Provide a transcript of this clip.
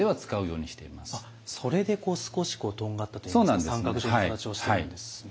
それで少しこうとんがったといいますか三角状の形をしているんですね。